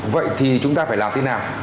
vậy thì chúng ta phải làm sao